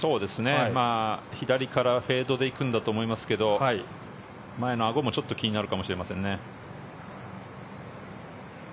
左からフェードで行くんだと思いますけど前のあごも、ちょっと気になるかもしれませんね。